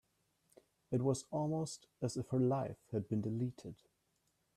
It was almost as if her life had been deleted.